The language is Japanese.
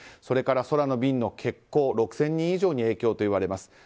それから空の便の欠航６０００人以上に影響といわれます。